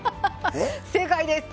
正解です！